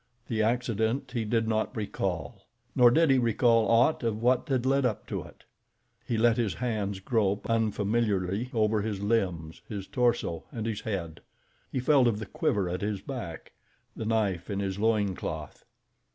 The accident he did not recall, nor did he recall aught of what had led up to it. He let his hands grope unfamiliarly over his limbs, his torso, and his head. He felt of the quiver at his back, the knife in his loin cloth.